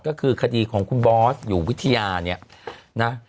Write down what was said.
ก็คือคดีของคุณบอสอยู่วิทยาเนี่ยนะ